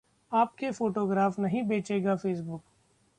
आपके फोटोग्राफ नहीं बेचेगा फेसबुक!